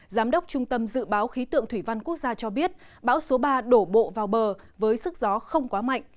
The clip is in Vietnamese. giám đốc trung tâm dự báo khí tượng thủy văn quốc gia cho biết bão số ba đổ bộ vào bờ với sức gió không quá mạnh